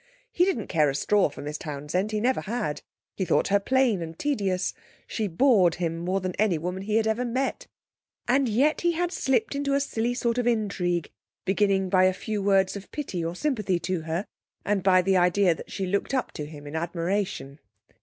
He didn't care a straw for Miss Townsend; he never had. He thought her plain and tedious; she bored him more than any woman he had ever met, and yet he had slipped into a silly sort of intrigue, beginning by a few words of pity or sympathy to her, and by the idea that she looked up to him in admiration.